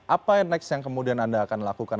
apa yang next yang kemudian anda akan lakukan